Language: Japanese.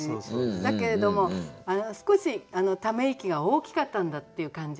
だけれども少しため息が大きかったんだっていう感じがしますよね。